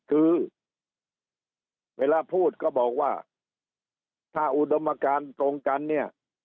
คือเวลาพูดก็บอกว่าถ้าอุดมการตรงกันเนี่ย